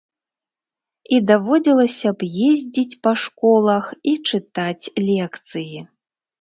І даводзілася б ездзіць па школах і чытаць лекцыі.